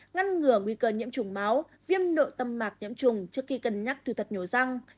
ngăn ngừa nguy cơ nhiễm chủng máu viêm nội tâm mạc nhiễm trùng trước khi cân nhắc thu thật nhổ răng